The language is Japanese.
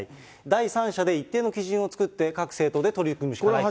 第三者で一定の基準を作って、各政党で取り組むしかないと。